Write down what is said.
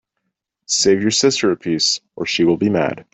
Save you sister a piece, or she will be mad.